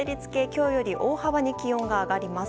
今日より大幅に気温が上がります。